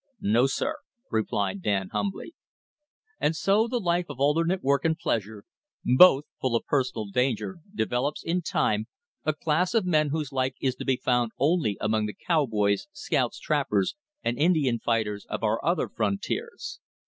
"No, sir," replied Dan humbly. And so the life of alternate work and pleasure, both full of personal danger, develops in time a class of men whose like is to be found only among the cowboys, scouts, trappers, and Indian fighters of our other frontiers.